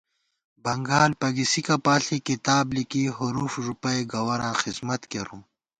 بنگال پَگِسِکہ پاݪی کِتاب لِکی حروف ݫُپَئ گوَراں خسمت کېرُوم